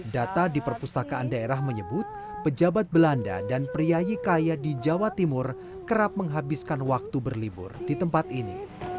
data di perpustakaan daerah menyebut pejabat belanda dan pria hikaya di jawa timur kerap menghabiskan waktu berlibur di tempat ini